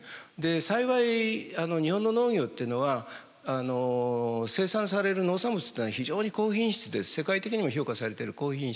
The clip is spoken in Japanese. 幸い日本の農業っていうのは生産される農産物というのは非常に高品質で世界的にも評価されている高品質。